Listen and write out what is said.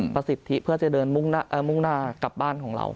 ประสิทธิเพื่อจะเดินมุ่งหน้ากลับบ้านของเรา